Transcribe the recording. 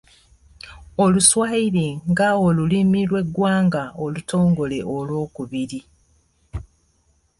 Oluswayiri ng'olulimi lw'eggwanga olutongole olwokubiri.